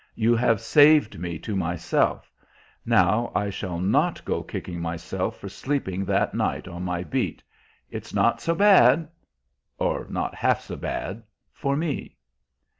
You have saved me to myself; now I shall not go kicking myself for sleeping that night on my beat. It's not so bad oh, not half so bad for me!"